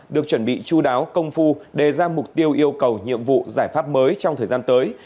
được chuẩn bị chú đáo công phu đề ra mục tiêu yêu cầu nhiệm vụ giải pháp mới trong thời gian tới